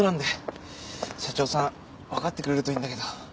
社長さん分かってくれるといいんだけど。